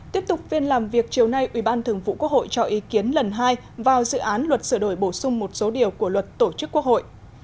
tiếp tục viên làm việc chiều nay ủy ban thường vụ quốc hội cho ý kiến lần hai vào dự án luật sửa đổi bổ sung một số điều của luật tổ chức quốc hội